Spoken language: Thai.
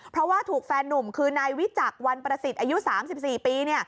เพราะว่าถูกแฟนนุ่มคือนายวิจักรวันประสิทธิ์อายุ๓๔ปี